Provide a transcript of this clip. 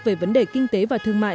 về vấn đề kinh tế và thương mại